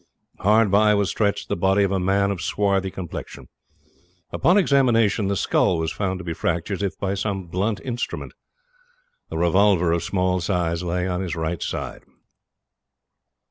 Hard by was stretched the body of a man of swarthy complexion. Upon examination the skull was found to be fractured, as if by some blunt instrument. A revolver of small size lay on his right side.